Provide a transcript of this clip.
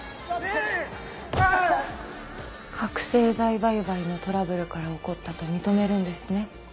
覚醒剤売買のトラブルから起こったと認めるんですね？